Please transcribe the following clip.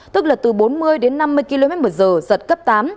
tức là từ bốn mươi đến năm mươi km một giờ giật cấp tám